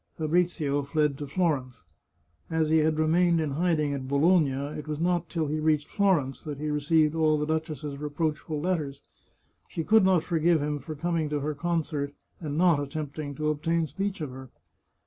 Fabrizio fled to Florence. As he had remained in hiding at Bologna, it was not till he reached Florence that he re ceived all the duchess's reproachful letters. She could not forgive him for coming to her concert, and not attempting to obtain speech of her.